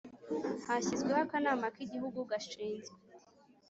Hashyizweho Akanama k Igihugu gashinzwe